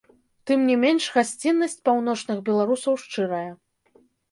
Тым не менш гасціннасць паўночных беларусаў шчырая.